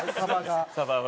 サバが。